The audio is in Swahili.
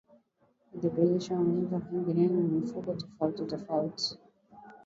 Kudhibiti ngombe kuingiliana na mifugo tofautitofauti